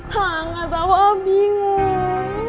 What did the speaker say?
hah gak tau ah bingung